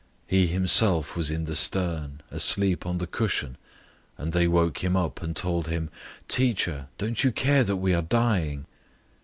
004:038 He himself was in the stern, asleep on the cushion, and they woke him up, and told him, "Teacher, don't you care that we are dying?"